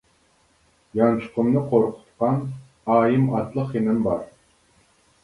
يانچۇقۇمنى قورقۇتقان، ئايىم ئاتلىق خېنىم بار.